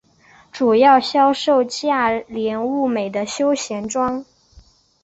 主要销售价廉物美的休闲装。